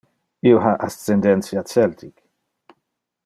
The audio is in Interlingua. Io ha ascendentia celtic.